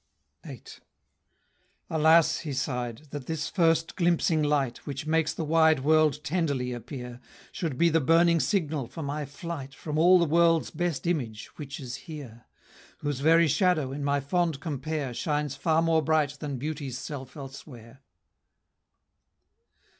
VIII. "Alas!" (he sigh'd), "that this first glimpsing light, Which makes the wide world tenderly appear, Should be the burning signal for my flight From all the world's best image, which is here; Whose very shadow, in my fond compare, Shines far more bright than Beauty's self elsewhere."